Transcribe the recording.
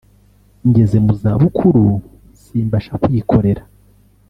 ngeze mu zabukuru simbasha kwikorera